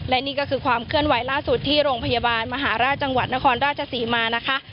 และนี่ก็คือความเคลื่อนไหวล่าสุดที่โรงพยาบาลมหาราชจังหวัดนครราชศรีมานะคะ